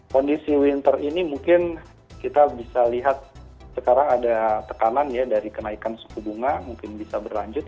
kondisi winter ini mungkin kita bisa lihat sekarang ada tekanan ya dari kenaikan suku bunga mungkin bisa berlanjut